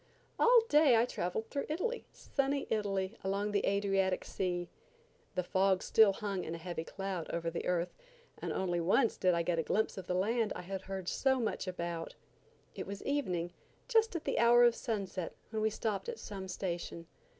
All day I traveled through Italy–sunny Italy, along the Adriatic Sea. The fog still hung in a heavy cloud over the earth, and only once did I get a glimpse of the land I had heard so much about. It was evening, just at the hour of sunset, when we stopped at some station.